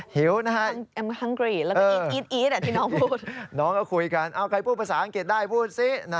หิวนะฮะค่ะน้องคุยกันเอาใครพูดภาษาอังกฤษได้พูดสิ